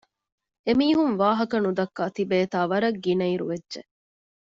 އެމީހުން ވާހަކަ ނުދައްކާ ތިބޭތާ ވަރަށް ގިނައިރު ވެއްޖެ